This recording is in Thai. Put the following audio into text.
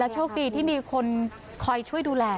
โชคดีที่มีคนคอยช่วยดูแล